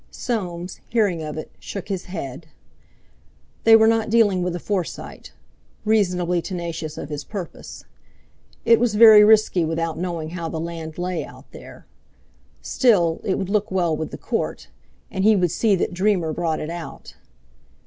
Soames, hearing of it, shook his head. They were not dealing with a Forsyte, reasonably tenacious of his purpose. It was very risky without knowing how the land lay out there. Still, it would look well with the Court; and he would see that Dreamer brought it out.